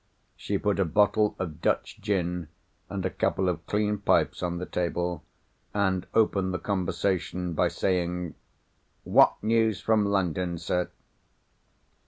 She put a bottle of Dutch gin and a couple of clean pipes on the table, and opened the conversation by saying, "What news from London, sir?"